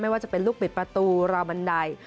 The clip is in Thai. ว่าจะเป็นลูกบิดประตูราวบันได